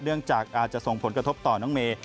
จากอาจจะส่งผลกระทบต่อน้องเมย์